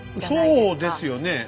そうですよね。